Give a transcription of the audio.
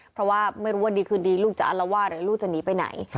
เพราะว่าไม่รู้ว่าดีคืนดีลูกจะอารวาสหรือลูกจะหนีไปไหน